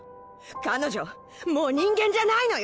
彼女もう人間じゃないのよ！